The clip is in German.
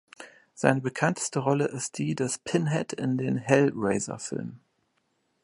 Seine bekannteste Rolle ist die des „Pinhead“ in den "Hellraiser"-Filmen.